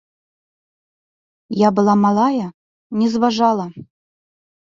Я была малая, не зважала.